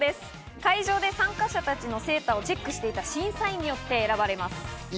会場で参加者たちのセーターをチェックしていた審査員達によって選ばれます。